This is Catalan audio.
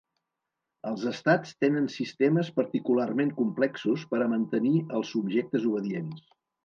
Els estats tenen sistemes particularment complexos per a mantenir els subjectes obedients.